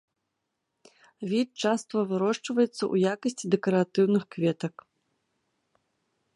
Від часта вырошчваецца ў якасці дэкаратыўных кветак.